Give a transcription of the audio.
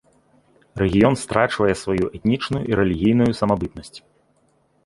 Рэгіён страчвае сваю этнічную і рэлігійную самабытнасць.